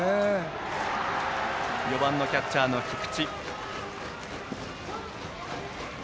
打席には４番のキャッチャーの菊池。